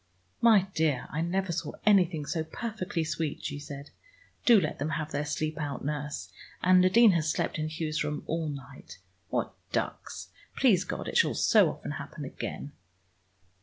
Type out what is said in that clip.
"My dear, I never saw anything so perfectly sweet," she said. "Do let them have their sleep out, nurse. And Nadine has slept in Hugh's room all night. What ducks! Please God it shall so often happen again!"